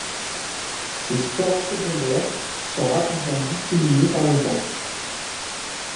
Ces spores secondaires sont rapidement disséminées par le vent.